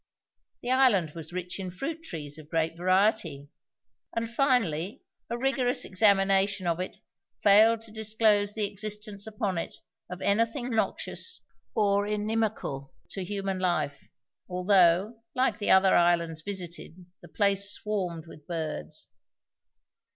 The island was rich in fruit trees of great variety; and, finally, a rigorous examination of it failed to disclose the existence upon it of anything noxious or inimical to human life, although, like the other islands visited, the place swarmed with birds.